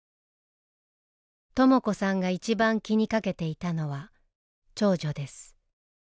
とも子さんが一番気にかけていたのは長女です。